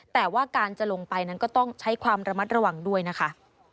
แต่ว่าการจะลงไปนั้นก็ต้องใช้ความระมัดระวังด้วยนะคะ